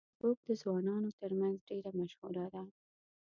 فېسبوک د ځوانانو ترمنځ ډیره مشهوره ده